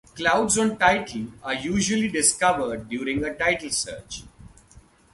Clouds on title are usually discovered during a title search.